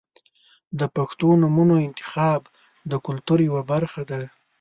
• د پښتو نومونو انتخاب د کلتور یوه برخه ده.